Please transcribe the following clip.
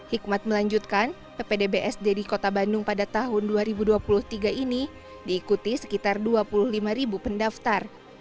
hikmat melanjutkan ppdbsd di kota bandung pada tahun dua ribu dua puluh tiga ini diikuti sekitar dua puluh lima ribu pendaftar